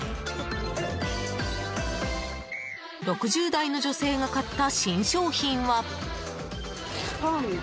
６０代の女性が買った新商品は。